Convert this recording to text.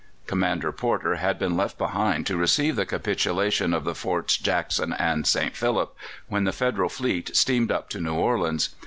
Commander Porter had been left behind to receive the capitulation of the forts Jackson and St. Philip, when the Federal fleet steamed up to New Orleans.